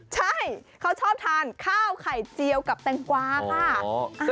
ใช่เขาชอบทานข้าวไข่เจียวกับแตงกวาค่ะ